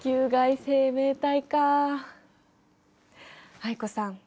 藍子さん